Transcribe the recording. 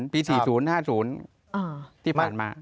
ปี๔๐๕๐ที่ผ่านมา